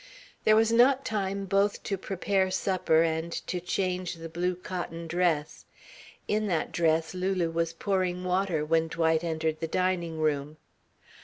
There was not time both to prepare supper and to change the blue cotton dress. In that dress Lulu was pouring water when Dwight entered the dining room.